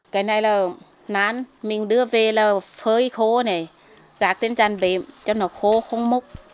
cái này là nán mình đưa về là phơi khô này gạt trên tràn bể cho nó khô không múc